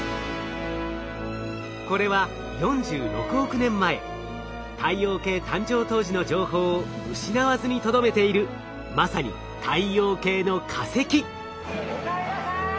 これは４６億年前太陽系誕生当時の情報を失わずにとどめているまさにおかえりなさい！